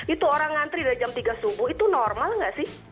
itu orang ngantri dari jam tiga subuh itu normal nggak sih